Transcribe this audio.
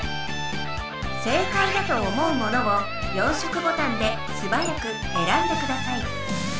正解だと思うものを４色ボタンですばやくえらんでください。